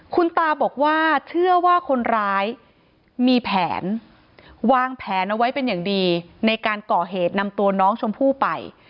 คุณตาบอกว่าเชื่อว่าคนร้ายมีแผนวางแผนเอาไว้เป็นอย่างดีในการก่อเหตุนำตัวน้องชมพู่ไป